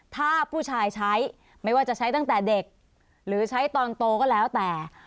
ถ้าผู้ชายใช้ไม่ว่าจะใช้ตั้งแต่เด็กหรือใช้ตอนโตก็แล้วแต่